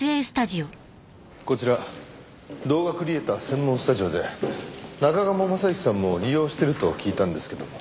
こちら動画クリエイター専門スタジオで中鴨昌行さんも利用してると聞いたんですけども。